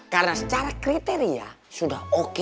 karena secara kriteria sudah oke